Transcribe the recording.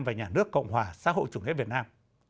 và nhà nước cộng hòa xã hội chủ nghĩa việt nam